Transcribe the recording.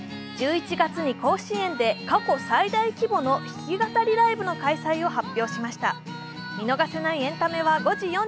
１１月に甲子園で過去最大規模の弾き語りライブの開催を発表。